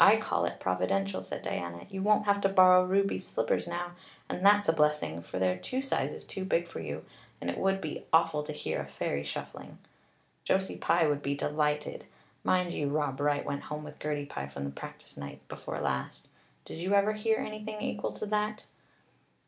"I call it providential," said Diana. "You won't have to borrow Ruby's slippers now, and that's a blessing, for they're two sizes too big for you, and it would be awful to hear a fairy shuffling. Josie Pye would be delighted. Mind you, Rob Wright went home with Gertie Pye from the practice night before last. Did you ever hear anything equal to that?"